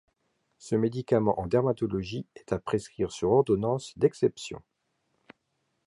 Ce médicament en dermatologie est à prescrire sur ordonnance d’exception.